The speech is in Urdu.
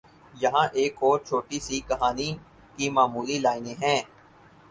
یہاں ایک اور چھوٹی سی کہانی کی معمولی لائنیں ہیں